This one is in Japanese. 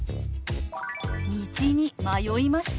「道に迷いました」。